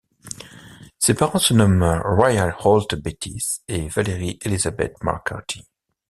Ses parents se nomment Royal Holt Bettis et Valerie Elizabeth McCarthy.